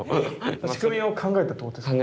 仕組みも考えたってことですか？